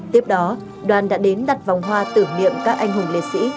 tiếp đó đoàn đã đến đặt vòng hoa tưởng niệm các anh hùng liệt sĩ